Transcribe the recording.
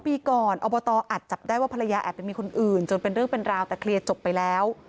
ปีก่อนอบตอัดจับได้ว่าภรรยาแอบไปมีคนอื่นจนเป็นเรื่องเป็นราวแต่เคลียร์จบไปแล้ว